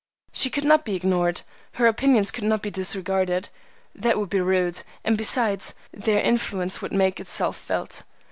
She could not be ignored; her opinions could not be disregarded. That would be rude, and besides, their influence would make itself felt.